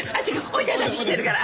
おじちゃんたち来てるから。